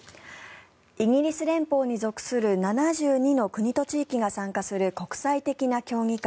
イギリス連邦に属する７２の国と地域が参加する国際的な競技会